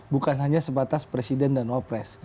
bukan hanya sebatas presiden dan wapres